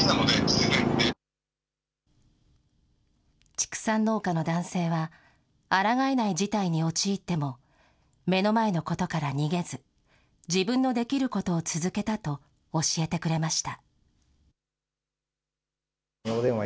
畜産農家の男性は、あらがえない事態に陥っても、目の前のことから逃げず、自分のできることを続けたと教えてくれました。